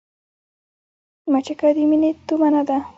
مچکه د مينې تومنه ده